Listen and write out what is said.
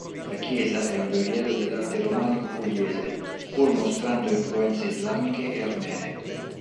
La chiesa è un gioiello dell'arte romanico pugliese, pur mostrando influenze islamiche e armene.